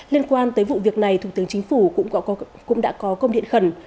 liên quan tới vụ việc này thủ tướng chính phủ cũng đã có công điện khẩn